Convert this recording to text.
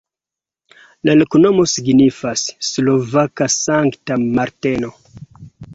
La loknomo signifas: slovaka-Sankta Marteno.